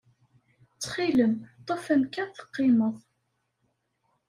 Ttxil-m, ḍḍef amkan teqqimeḍ!